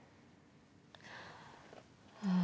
ああ！